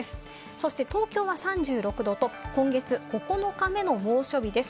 そして東京は３６度と、今月９日目の猛暑日です。